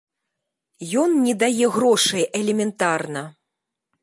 Ён не дае грошай элементарна.